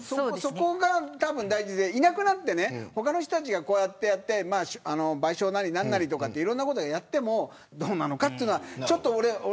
そこが大事でいなくなって、他の人たちがこうやって賠償なり、何なりいろんなことやってもどうなのかというのが。